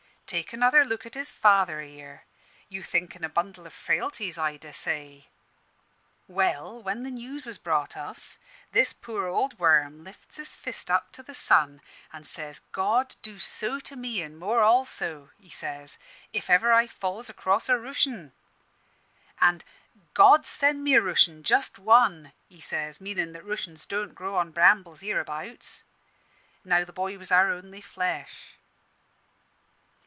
Take another look at his father here; you think 'en a bundle o' frailties, I dessay. Well, when the news was brought us, this poor old worm lifts his fist up to the sun an' says, 'God do so to me an' more also,' he says, 'if ever I falls across a Rooshian!' An' 'God send me a Rooshian just one!' he says, meanin' that Rooshians don't grow on brambles hereabouts. Now the boy was our only flesh.